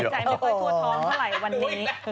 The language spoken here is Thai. ใจไม่ค่อยทั่วท้องเท่าไหร่วันนี้